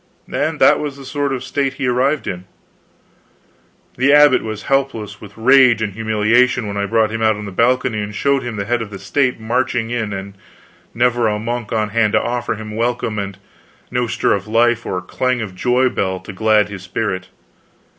And that was the sort of state he arrived in. The abbot was helpless with rage and humiliation when I brought him out on a balcony and showed him the head of the state marching in and never a monk on hand to offer him welcome, and no stir of life or clang of joy bell to glad his spirit.